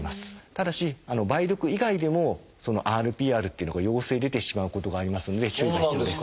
ただし梅毒以外でもＲＰＲっていうのが陽性出てしまうことがありますので注意が必要です。